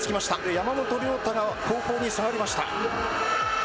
山本涼太が後方に下がりました。